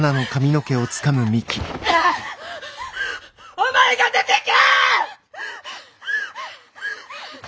お前が出てけ！